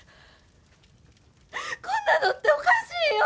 こんなのっておかしいよ！